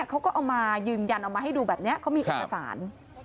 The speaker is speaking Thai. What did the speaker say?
เขาก็เอามายืนยันเอามาให้ดูแบบนี้เขามีเอกสาร